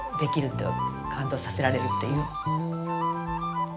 感動させられるという。